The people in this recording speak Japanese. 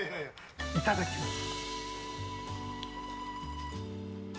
いただきます。